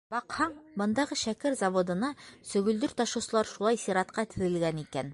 Баҡһаң, бындағы шәкәр заводына сөгөлдөр ташыусылар шулай сиратҡа теҙелгән икән.